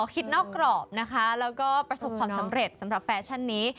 คิดนอกกรอบนะคะแล้วก็ประสบความสำเร็จสำหรับแฟชั่นนี้